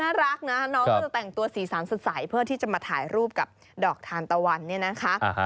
น่ารักนะน้องก็จะแต่งตัวสีสันสดใสเพื่อที่จะมาถ่ายรูปกับดอกทานตะวันเนี่ยนะคะ